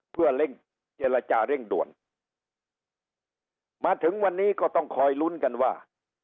เพื่อเร่งเจรจาเร่งด่วนมาถึงวันนี้ก็ต้องคอยลุ้นกันว่า